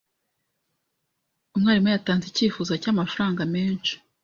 Umwarimu yatanze icyifuzo cyamafaranga menshi.